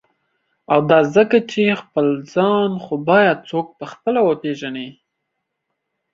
او دا ځکه چی » خپل ځان « خو باید څوک په خپله وپیژني.